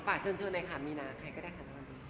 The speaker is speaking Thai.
ฝากเชิญชวนในค่ะมีนาใครก็ได้ค่ะ